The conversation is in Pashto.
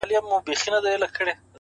اوس مي نو ومرگ ته انتظار اوسئ ـ